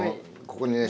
ここにね